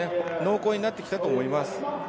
濃厚になってきたと思います。